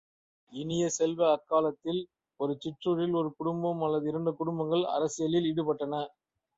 இனிய செல்வ, அக்காலத்தில் ஒரு சிற்றூரில் ஒரு குடும்பம் அல்லது இரண்டு குடும்பங்கள் அரசியலில் ஈடுபட்டன.